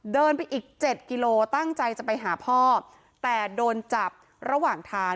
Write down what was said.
เดินไปอีกเจ็ดกิโลตั้งใจจะไปหาพ่อแต่โดนจับระหว่างทาง